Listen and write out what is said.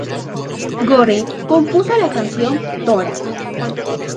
Gore compuso la canción "Tora!